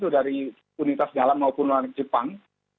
dari unitas dalam maupun luar jepang